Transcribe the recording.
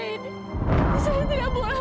ya saya melihatnya